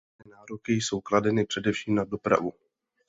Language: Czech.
Velké nároky jsou kladeny především na dopravu.